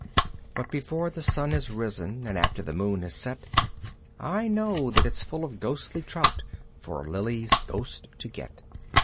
But before the sun has risen and after the moon has set I know that it's full of ghostly trout for Lilly's ghost to get.